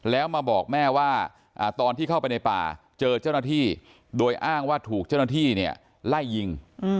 แล้วมาบอกแม่ว่าตอนที่เข้าไปในป่าเจอเจ้าหน้าที่โดยอ้างว่าถูกเจ้าหน้าที่เนี่ยไล่ยิง